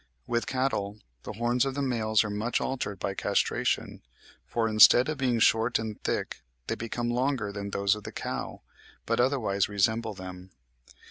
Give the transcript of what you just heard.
With cattle, the horns of the males are much altered by castration; for instead of being short and thick, they become longer than those of the cow, but otherwise resemble them.